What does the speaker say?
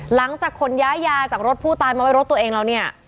หลังจากขนย้ายยาจากรถผู้ตายมาไว้รถตัวเองแล้วเนี่ย